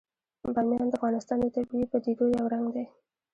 بامیان د افغانستان د طبیعي پدیدو یو رنګ دی.